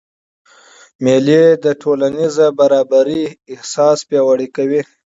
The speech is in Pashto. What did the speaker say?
مېلې د ټولنیزي برابرۍ احساس پیاوړی کوي.